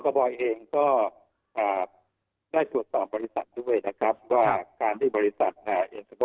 บอยเองก็อ่าได้ตรวจสอบบริษัทด้วยนะครับว่าการที่บริษัท